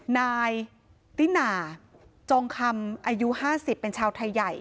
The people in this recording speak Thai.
นายติน่าจองคำอายุ๕๐เป็นชาวไทยใหญ่